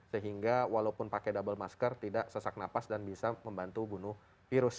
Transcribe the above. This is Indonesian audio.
sehingga walaupun pakai double masker tidak sesak napas dan bisa membantu bunuh virus